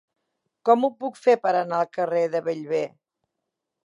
Com ho puc fer per anar al carrer de Bellver?